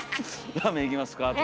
「ラーメン行きますか？」とか。